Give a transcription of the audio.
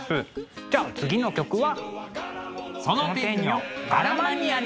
じゃあ次の曲は。